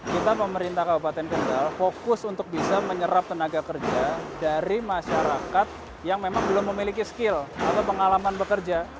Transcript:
kita pemerintah kabupaten kendal fokus untuk bisa menyerap tenaga kerja dari masyarakat yang memang belum memiliki skill atau pengalaman bekerja